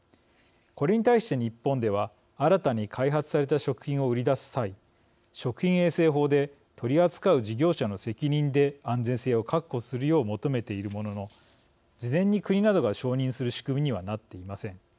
これに対して日本では新たに開発された食品を売り出す際食品衛生法で取り扱う事業者の責任で安全性を確保するよう求めているものの事前に国などが承認する仕組みにはなっていません。